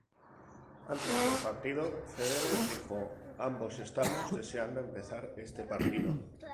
Antes del partido, Federer dijo:"Ambos estamos deseando empezar este partido.